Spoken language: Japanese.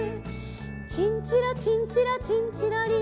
「チンチロチンチロチンチロリン」